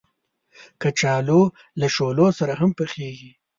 کچالو له شولو سره هم پخېږي